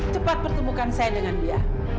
cepat pertemukan saya dengan dia